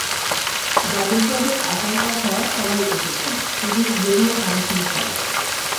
যাদের যাদের আসার কথা সবাই এসেছেন, শুধু ইয়ো ইয়ো হানি সিং ছাড়া।